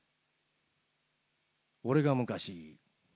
俺が昔。